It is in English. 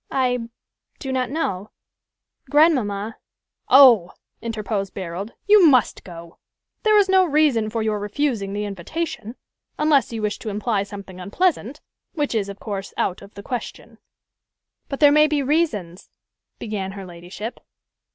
"I do not know. Grandmamma" "Oh!" interposed Barold, "you must go. There is no reason for your refusing the invitation, unless you wish to imply something unpleasant which is, of course, out of the question." "But there may be reasons" began her ladyship.